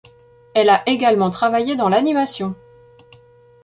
Elle a également travaillé dans l'animation.